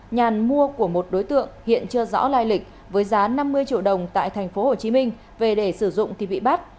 nhàn mua của một đối tượng hiện chưa rõ lai lịch với giá năm mươi triệu đồng tại tp hcm về để sử dụng thì bị bắt